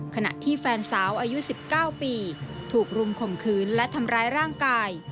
ขณะที่แฟนสาวอายุ๑๙ปีถูกรุมข่มขืนและทำร้ายร่างกาย